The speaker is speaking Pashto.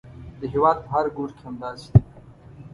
د هېواد په هر ګوټ کې همداسې ده.